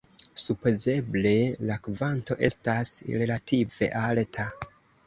Supozeble la kvanto estas relative alta.